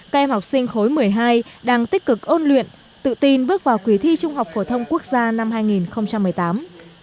các em học sinh khối một mươi hai đang tích cực ôn luyện tự tin bước vào kỳ thi trung học phổ thông quốc gia năm hai nghìn một mươi tám